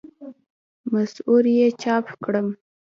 مصور یې چاپ کړم.